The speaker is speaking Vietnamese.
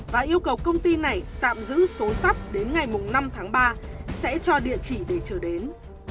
và yêu cầu công ty này tạm giữ số sắt đến ngày năm tháng ba sẽ cho địa chỉ để chờ đến